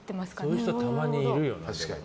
そういう人たまにいるよね。